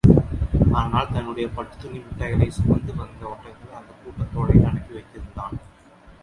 ஆனால், தன்னுடைய பட்டுத் துணி முட்டைகளைச் சுமந்து வந்த ஒட்டகங்களை அந்தக் கூட்டத்தோடேயே அனுப்பி வைத்திருந்தான்.